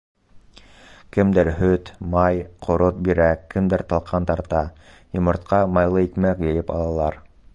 Кемдер һөт, май, ҡорот бирә, кемдер талҡан тарта; йомортҡа, майлы икмәк йыйып алалар.